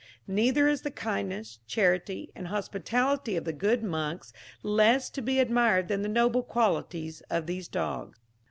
Neither is the kindness, charity, and hospitality of the good monks less to be admired than the noble qualities of these dogs.